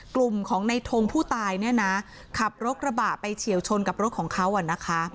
กลุ่มของในทงผู้ตายเนี่ยนะขับรถกระบะไปเฉียวชนกับรถของเขาอ่ะนะคะ